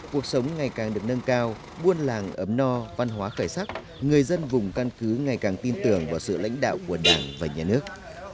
cuộc sống ngày càng được nâng cao buôn làng ấm no văn hóa khởi sắc người dân vùng căn cứ ngày càng tin tưởng vào sự lãnh đạo của đảng và nhà nước